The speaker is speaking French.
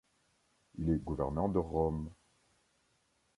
Il est gouverneur de Rome.